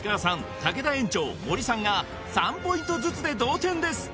竹田園長森さんが３ポイントずつで同点です